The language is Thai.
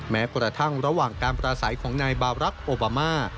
แม้กระทั่งระหว่างการประสัยของนายบารักษ์โอบามา